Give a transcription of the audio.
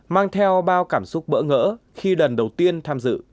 mang theo bao cảm xúc bỡ ngỡ khi lần đầu tiên tham dự